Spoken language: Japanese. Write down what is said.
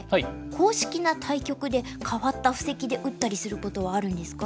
公式な対局で変わった布石で打ったりすることはあるんですか？